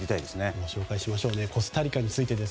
ご紹介しましょう。